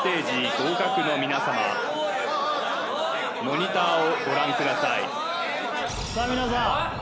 合格の皆様モニターをご覧くださいさあ皆さん